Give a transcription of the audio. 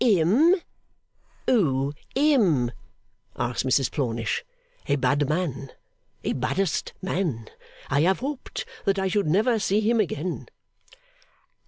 'Im? Oo him?' asked Mrs Plornish. 'A bad man. A baddest man. I have hoped that I should never see him again.